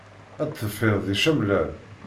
Ad d-teffiḍ di camlal.